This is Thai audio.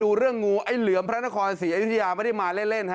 ดูเรื่องงูไอ้เหลือมพระนครศรีอยุธยาไม่ได้มาเล่นฮะ